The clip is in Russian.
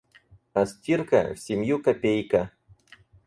А стирка — в семью копейка.